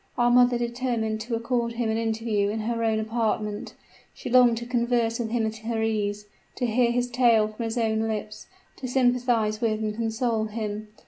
Our mother determined to accord him an interview in her own apartment. She longed to converse with him at her ease to hear his tale from his own lips to sympathize with and console him.